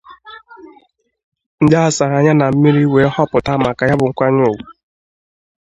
ndị a sara anya na mmiri wee họpụta maka ya bụ nkwanyeùgwù